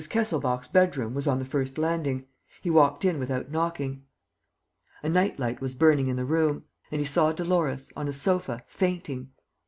Kesselbach's bedroom was on the first landing. He walked in without knocking. A night light was burning in the room; and he saw Dolores, on a sofa, fainting.